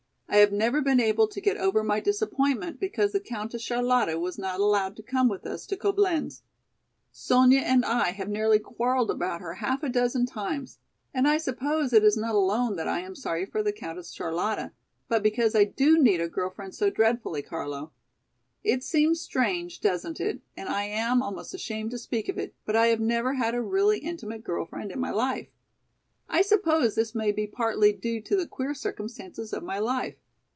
I have never been able to get over my disappointment because the Countess Charlotta was not allowed to come with us to Coblenz. Sonya and I have nearly quarreled about her half a dozen times. And I suppose it is not alone that I am sorry for the Countess Charlotta, but because I do need a girl friend so dreadfully, Carlo. It seems strange doesn't it, and I am almost ashamed to speak of it, but I have never had a really intimate girl friend in my life. I suppose this may be partly due to the queer circumstances of my life.